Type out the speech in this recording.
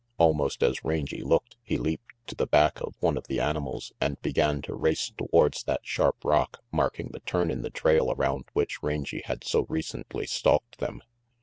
Almost as Rangy looked, he leaped to the back of one of the animals and began to race towards that sharp rock marking the turn in the trail around which Rangy had so recently stalked them.